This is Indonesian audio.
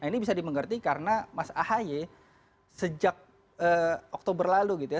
ini bisa dimengerti karena mas ahy sejak oktober lalu gitu ya